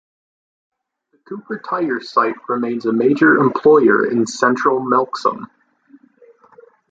The Cooper Tires site remains a major employer in central Melksham.